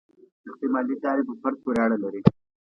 شخصي مالي چارې په فرد پورې اړه لري.